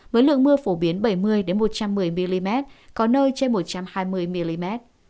với lượng mưa phổ biến bảy mươi một trăm một mươi mm có nơi trên một trăm hai mươi mm